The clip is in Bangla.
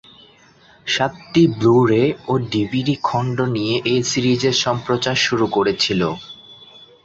সাতটি ব্লু-রে ও ডিভিডি খন্ড নিয়ে এই সিরিজের সম্প্রচার শুরু করেছিল।